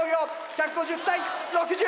１５０対６０！